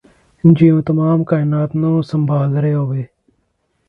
ਜਿਉਂ ਤਮਾਮ ਕਾਇਨਾਤ ਨੂੰ ਸੰਭਾਲ ਰਿਹਾ ਹੋਵੇ